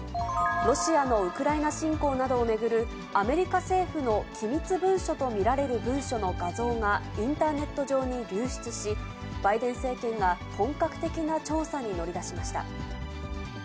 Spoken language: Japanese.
ロシアのウクライナ侵攻などを巡るアメリカ政府の機密文書と見られる文書の画像が、インターネット上に流出し、バイデン政権が本格的な調査に乗り出しました。